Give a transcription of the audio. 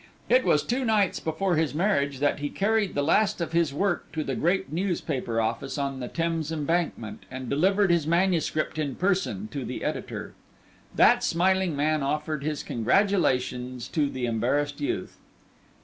It was two nights before his marriage that he carried the last of his work to the great newspaper office on the Thames Embankment, and delivered his manuscript in person to the editor. That smiling man offered his congratulations to the embarrassed youth.